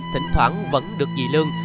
thỉnh thoảng vẫn được dì lương